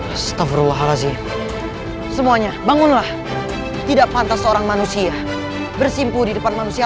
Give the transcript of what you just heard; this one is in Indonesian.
hai astagfirullahaladzim semuanya bangunlah tidak pantas seorang manusia bersimpu di depan manusia